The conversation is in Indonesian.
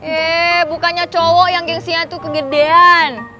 ehh bukannya cowok yang gengsian tuh kegedean